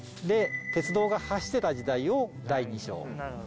で鉄道が走ってた時代を第２章。